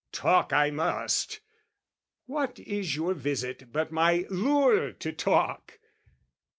talk I must: What is your visit but my lure to talk?